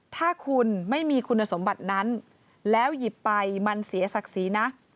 ถ้าคุณไม่มีคุณสมบัตินั้นแล้วหยิบไปมันเสียศักดิ์ศรีนะ